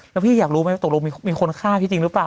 แล้วพี่อยากรู้ไหมว่าตกลงมีคนฆ่าพี่จริงหรือเปล่า